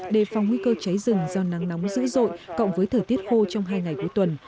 đề phòng nguy cơ cháy rừng do nắng nóng dữ dội cộng với thời tiết khô trong hai ngày cuối tuần